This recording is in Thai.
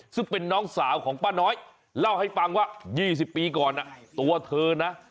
ซึ่งเป็นน้องสาวของป้าน้อยเล่าให้ฟังว่า๒๐ปีก่อนตัวเธอนะ